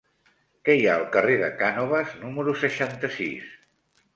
Què hi ha al carrer de Cànoves número seixanta-sis?